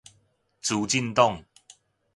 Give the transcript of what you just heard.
資進黨